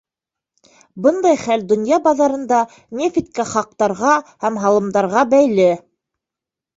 Бындай хәл донъя баҙарында нефткә хаҡтарға һәм һалымдарға бәйле.